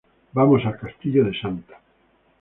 Vamos al Castillo de Santa.